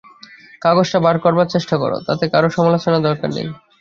কাগজটা বার করবার চেষ্টা করো, তাতে কারও সমালোচনার দরকার নেই।